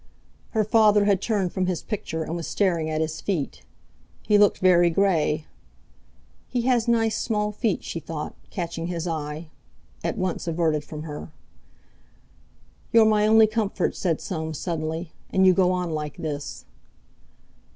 Her father had turned from his picture, and was staring at his feet. He looked very grey. 'He has nice small feet,' she thought, catching his eye, at once averted from her. "You're my only comfort," said Soames suddenly, "and you go on like this."